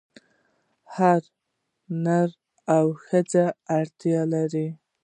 هر نر او ښځه اړتیا لري.